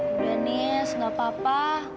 udah nis gapapa